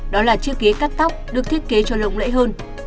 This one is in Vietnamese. đó là chiếc ghế cắt tóc được thiết kế cho lộng lẫy hơn